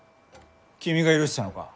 君が許したのか？